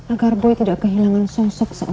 agar boy tidak kehilangan sosok sepertiku